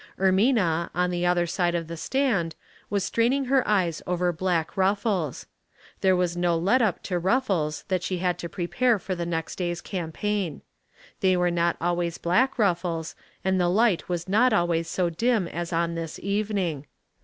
Ermina, on the other side of the stand, was straining her eyes over black ruffles. There was no let up to ruffles that she had to prepare for the next day's campaign. They were not always black ruffles, and the light was not always so dim as on this evening.